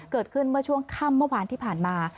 เกิดขึ้นเมื่อช่วงค่ำเมื่อวานที่ผ่านมา